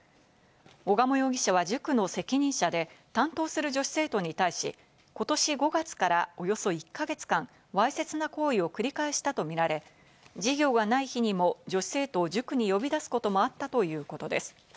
小鴨容疑者は塾の責任者で、担当する女子生徒に対し、ことし５月から、およそ１か月間、わいせつな行為を繰り返したとみられ、授業がない日にも女子生徒を塾に呼び出すこともあったということです。